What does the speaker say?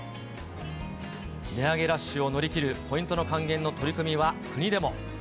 値上げラッシュを乗り切るポイントの還元の取り組みは国でも。